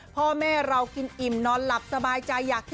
พ่อแม่เรากินอิ่มนอนหลับสบายใจอยาก